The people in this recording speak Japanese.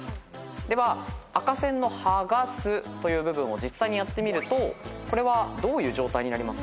では赤線の「はがす」という部分を実際にやってみるとこれはどういう状態になりますか？